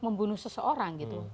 membunuh seseorang gitu